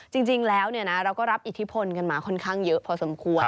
จริงแล้วเราก็รับอิทธิพลกันมาค่อนข้างเยอะพอสมควร